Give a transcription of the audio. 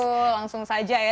betul langsung saja ya